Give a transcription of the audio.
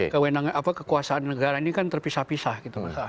kekekuasaan negara ini kan terpisah pisah gitu masalahnya